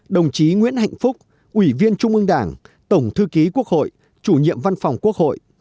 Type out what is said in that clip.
đồng chí nguyễn hạnh phúc ủy viên trung ương đảng tổng thư ký quốc hội chủ nhiệm văn phòng quốc hội